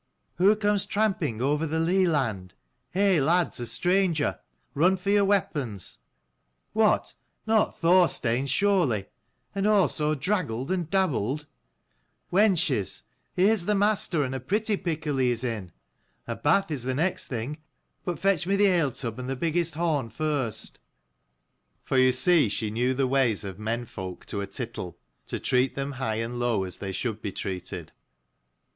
"Who comes tra'mping over the lea land? Hey lads, a stranger. Run for your weapons. What, not Thorstein, surely ? and all so draggled and dabbled ? Wenches, here's the master, and a pretty pickle he is in. A bath is the next thing ; but fetch me the ale tub and the biggest horn first." DD 225 For you see she knew the ways of menfolk to a tittle, to treat them high and low as they should be treated.